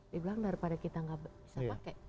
dibilang daripada kita nggak bisa pakai